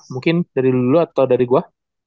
mungkin dari dulu atau dari gua